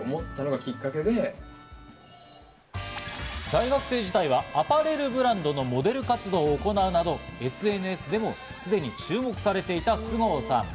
大学生時代はアパレルブランドのモデル活動を行うなどＳＮＳでもすでに注目されていた菅生さん。